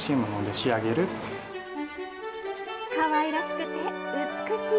かわいらしくて美しい。